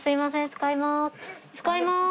使います。